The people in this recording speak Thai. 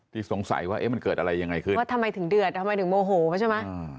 สงสัยว่าเอ๊ะมันเกิดอะไรยังไงขึ้นว่าทำไมถึงเดือดทำไมถึงโมโหใช่ไหม